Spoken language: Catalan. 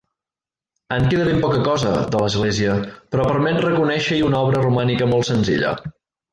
En queda ben poca cosa, de l'església, però permet reconèixer-hi una obra romànica molt senzilla.